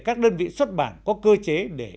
các đơn vị xuất bản có cơ chế để